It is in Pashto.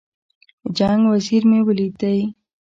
جنګ وزیر مې ولیدی.